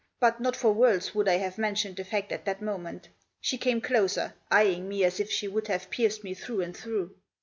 But not for worlds would I have mentioned the fact at that moment. She came closer, eyeing me as if she would have pierced me through and through.